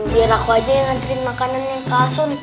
biar aku aja yang ngantriin makanan ke asun